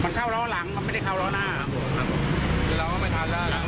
ซึ่งไม่ปลอดภัยอาจจะเปลี่ยนอาจจะโดยเกิดไฟแดง